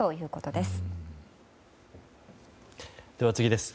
では次です。